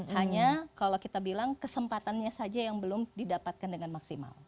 hanya kalau kita bilang kesempatannya saja yang belum didapatkan dengan maksimal